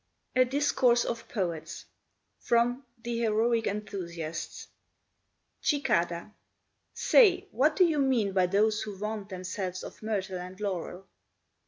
A DISCOURSE OF POETS From 'The Heroic Enthusiasts' Cicada Say, what do you mean by those who vaunt themselves of myrtle and laurel?